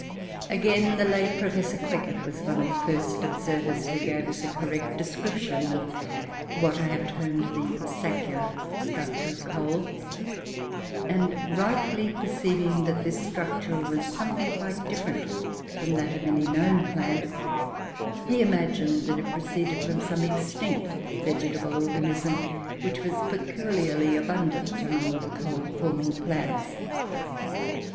Again, the late Professor Quekett was one of the first observers who gave a correct description of what I have termed the "saccular" structure of coal; and, rightly perceiving that this structure was something quite different from that of any known plant, he imagined that it proceeded from some extinct vegetable organism which was peculiarly abundant amongst the coal forming plants.